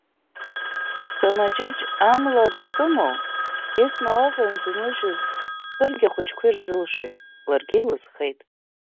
Камаҷыҷ амла дакымоу, Есма уаҟа илзынлыжьыз кыргьы ахәыҷқәа ирзылшеит, ларгьы илызхеит.